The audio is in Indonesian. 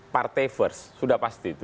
partai first sudah pasti itu